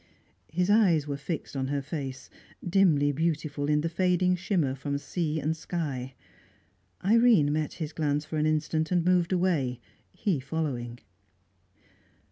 His eyes were fixed on her face, dimly beautiful in the fading shimmer from sea and sky. Irene met his glance for an instant, and moved away, he following.